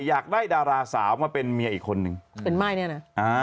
อยากได้ดาราสาวมาเป็นเมียอีกคนนึงเป็นม่ายเนี่ยนะอ่า